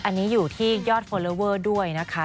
อันนี้อยู่ที่ยอดฟอลเลอเวอร์ด้วยนะคะ